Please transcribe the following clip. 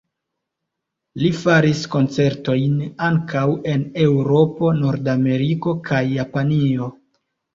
Li faris koncertojn ankaŭ en Eŭropo, Nord-Ameriko kaj Japanio.